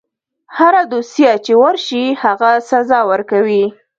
هره دوسیه چې ورشي هغه سزا ورکوي.